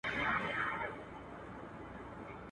د پردیو ملایانو له آذانه یمه ستړی.